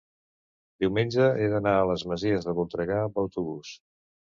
diumenge he d'anar a les Masies de Voltregà amb autobús.